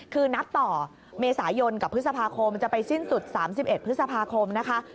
คือนับต่อเมษายนกับพฤษภาคมจะไปสิ้นสุด๓๑พฤษภาคมนะคะ